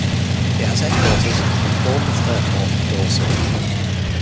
It has its headquarters at Bournemouth Airport in Dorset.